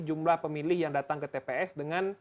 jumlah pemilih yang datang ke tps dengan